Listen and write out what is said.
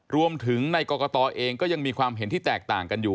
รวมถึงในกรกตเองก็ยังมีความเห็นที่แตกต่างกันอยู่